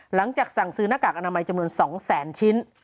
หลังจากสั่งซื้อหน้ากากอนามัยจำนวน๒แสนชิ้น